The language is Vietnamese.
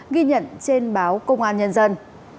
ghi nhận trên báo công an nhân dân